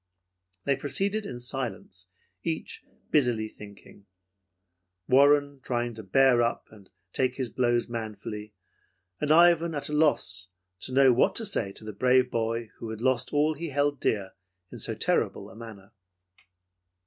They proceeded in silence, each busily thinking. Warren trying to bear up and take his blows manfully, and Ivan at a loss to know what to say to the brave boy who had lost all he held dear in so terrible a manner.